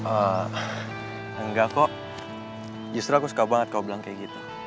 enggak kok justru aku suka banget kau bilang kayak gitu